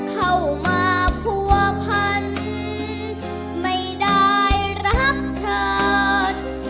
เข้ามาผัวพันไม่ได้รับเชิญ